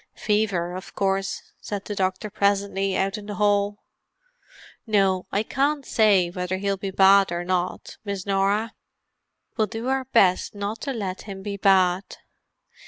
"Fever of course," said the doctor presently, out in the hall. "No, I can't say yet whether he'll be bad or not, Miss Norah. We'll do our best not to let him be bad.